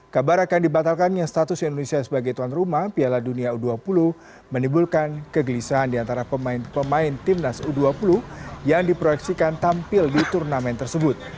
kabar akan dibatalkan yang statusnya indonesia sebagai tuan rumah piala dunia u dua puluh menibulkan kegelisahan diantara pemain timnas u dua puluh yang diproyeksikan tampil di turnamen tersebut